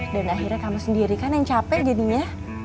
dan akhirnya kamu sendiri kan yang capek jadinya